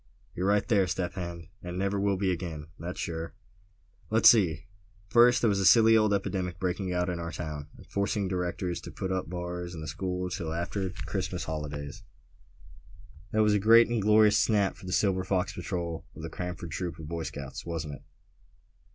"You're right there, Step Hen; and never will be again, that's sure!" "Let's see; first, there was that silly old epidemic breaking out in our town, and forcing the directors to put up the bars in the school till after the Christmas holidays; that was a great and glorious snap for the Silver Fox Patrol of the Cranford Troop of Boy Scouts, wasn't it?"